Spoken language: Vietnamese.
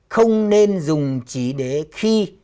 không nên dùng chỉ để khi